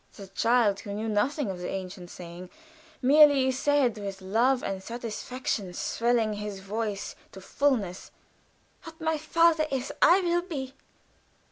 The child, who knew nothing of the ancient saying, merely said with love and satisfaction swelling his voice to fullness, "What my father is, I will be."